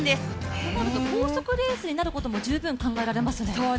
それですと、高速レースになることも十分考えられますね。